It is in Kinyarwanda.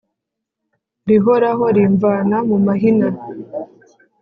Rihora rimvana mu mahina.